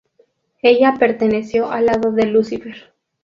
Ella perteneció al lado de Lucifer.